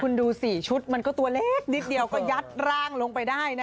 คุณดู๔ชุดมันก็ตัวเล็กนิดเดียวก็ยัดร่างลงไปได้นะ